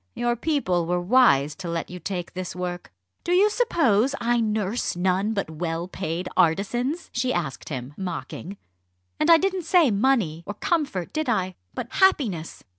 Your people were wise to let you take this work." "Do you suppose I nurse none but well paid artisans?" she asked him, mocking. "And I didn't say 'money' or 'comfort,' did I? but 'happiness.'